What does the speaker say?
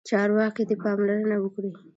چارواکي دې پاملرنه وکړي.